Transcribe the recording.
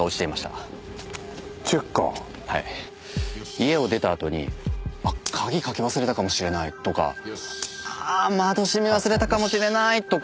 家を出たあとに「あっ鍵かけ忘れたかもしれない」とか「ああ窓閉め忘れたかもしれない」とか